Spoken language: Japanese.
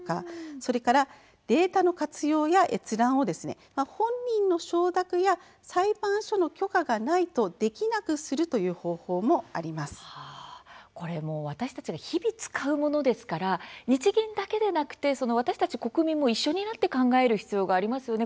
それからデータの活用や閲覧を本人の承諾や裁判所の許可がないとできなくする私たちが日々使うものですから日銀だけではなくて私たち国民も一緒になって考える必要がありますよね。